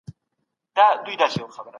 که زده کوونکی فکر وکړي دا تعليم دی.